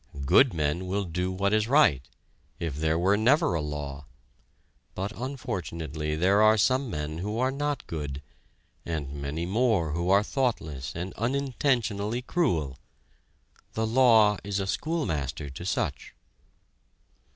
Good men will do what is right, if there were never a law; but, unfortunately, there are some men who are not good, and many more who are thoughtless and unintentionally cruel. The law is a schoolmaster to such.